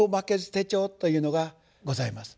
手帳というのがございます。